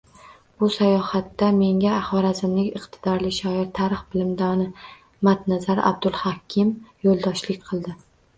Bu sayohatda menga xorazmlik iqtidorli shoir, tarix bilimdoni Matnazar Abdulhakim yoʻldoshlik qildi